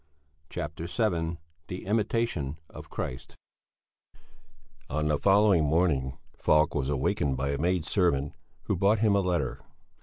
CHAPTER VII THE IMITATION OF CHRIST On the following morning Falk was awakened by a maid servant who brought him a letter.